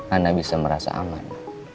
anda bisa merasa aman